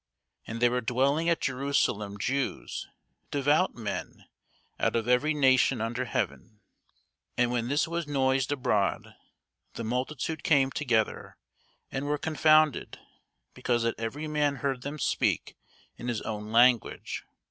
And there were dwelling at Jerusalem Jews, devout men, out of every nation under heaven. Now when this was noised abroad, the multitude came together, and were confounded, because that every man heard them speak in his own language.